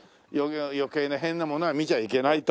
余計な変なものは見ちゃいけないと。